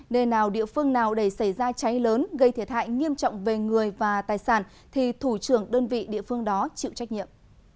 nơi nào địa phương nào để xảy ra cháy lớn gây thiệt hại nghiêm trọng về người và tài sản thì thủ trưởng đơn vị địa phương đó chịu trách nhiệm